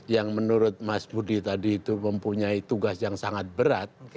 yang menurut mas budi tadi itu mempunyai tugas yang sangat berat